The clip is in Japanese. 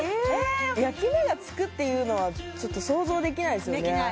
焼き目がつくっていうのはちょっと想像できないですよね